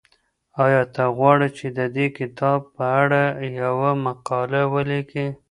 ایا ته غواړې چې د دې کتاب په اړه یوه مقاله ولیکې؟